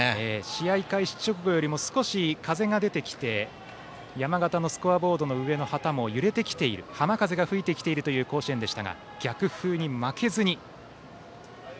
試合開始直後よりも少し風が出てきて山型のスコアボードの上の旗も揺れてきている浜風が吹いてきている甲子園でしたが、逆風に負けずに。